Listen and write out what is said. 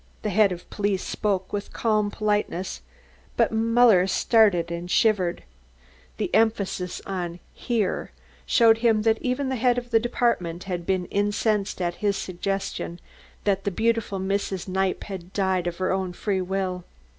The Head of Police spoke with calm politeness, but Muller started and shivered. The emphasis on the "here" showed him that even the head of the department had been incensed at his suggestion that the beautiful Mrs. Kniepp had died of her own free will.